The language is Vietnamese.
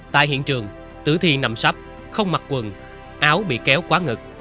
tại hiện trường tử thi nằm sắp không mặc quần áo bị kéo quá ngực